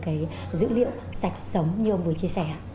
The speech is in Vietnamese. cái dữ liệu sạch sống như ông vừa chia sẻ